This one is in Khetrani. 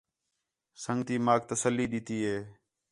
سنڳتی ماک تسلی ݙِتّی ہِے